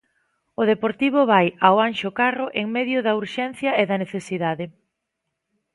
O Deportivo vai ao Anxo Carro en medio da urxencia e da necesidade.